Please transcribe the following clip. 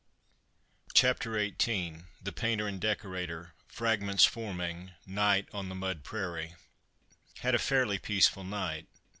CHAPTER XVIII THE PAINTER AND DECORATOR FRAGMENTS FORMING NIGHT ON THE MUD PRAIRIE Had a fairly peaceful night.